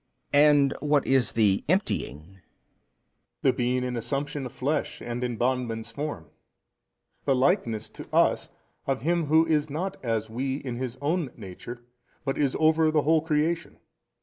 B. And what is the emptying 29? A. The being in assumption of flesh and in bondman's form, the likeness to us of Him Who is not as we in His own Nature but is over the whole creation.